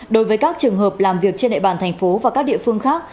đối với các trường hợp làm việc trên địa bàn thành phố và các địa phương khác